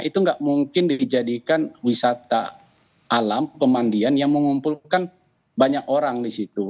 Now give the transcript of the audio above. itu nggak mungkin dijadikan wisata alam pemandian yang mengumpulkan banyak orang di situ